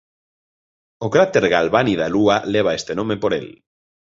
O cráter Galvani da Lúa leva este nome por el.